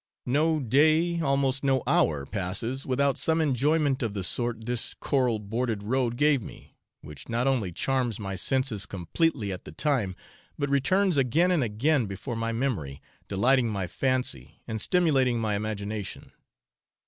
No day, almost no hour, passes without some enjoyment of the sort this coral bordered road gave me, which not only charms my senses completely at the time, but returns again and again before my memory, delighting my fancy, and stimulating my imagination.